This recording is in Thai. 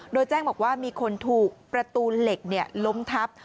โดยแจ้งบอกว่ามีคนถูกประตูเหล็กล้มทับ